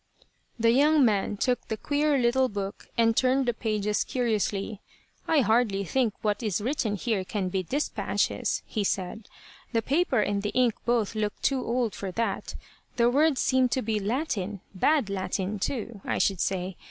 The young man took the queer little book and turned the pages curiously. "I hardly think what is written here can be dispatches," he said, "The paper and the ink both look too old for that. The words seem to be Latin; bad Latin, too, I should say.